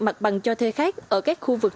mặt bằng cho thuê khác ở các khu vực